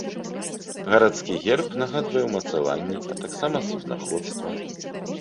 Гарадскі герб нагадвае ўмацаванні, а таксама суднаходства.